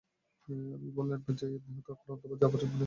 আর বললেন, যায়েদ নিহত বা আক্রান্ত হলে জাফর ইবনে আবু তালেব সেনাপতি হবে।